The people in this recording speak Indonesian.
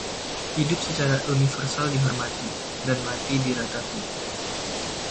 Hidup secara universal dihormati, dan mati diratapi.